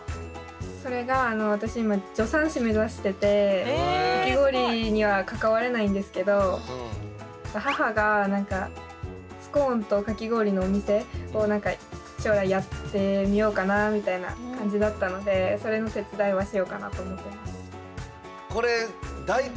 それが私今助産師目指しててかき氷には関われないんですけど母が何かスコーンとかき氷のお店を将来やってみようかなみたいな感じだったのでそれの手伝いはしようかなと思ってます。